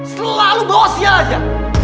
selalu bawa sia aja